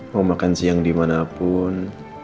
mau makan siang dimanapun